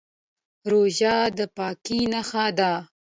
روژه د پاکۍ نښه ده.